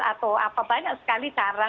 atau banyak sekali cara